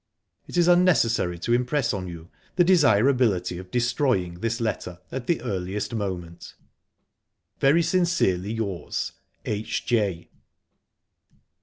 "It is unnecessary to impress on you the desirability of destroying this letter at the earliest moment. "Very sincerely yours. "H.J."